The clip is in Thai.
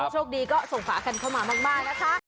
โชคดีก็ส่งฝากันเข้ามามากนะคะ